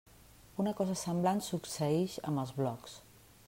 Una cosa semblant succeïx amb els blocs.